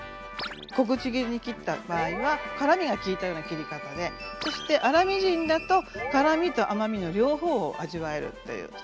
小口切りに切った場合は辛みがきいたような切り方でそして粗みじんだと辛みと甘みの両方を味わえるという。